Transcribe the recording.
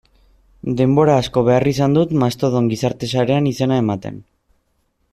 Denbora asko behar izan dut Mastodon gizarte sarean izena ematen.